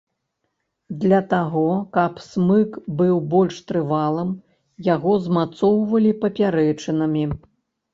Для таго каб смык быў больш трывалым, яго змацоўвалі папярэчынамі.